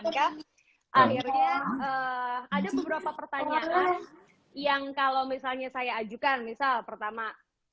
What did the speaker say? akhirnya ada beberapa pertanyaan yang kalau misalnya saya ajukan misal pertama